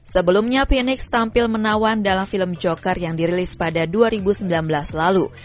sebelumnya phoenix tampil menawan dalam film joker yang dirilis pada dua ribu sembilan belas lalu